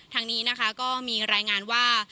ทางนี้นะคะก็มีรายงานว่า